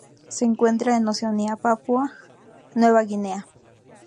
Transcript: Se encuentra en Oceanía: Papúa Nueva Guinea.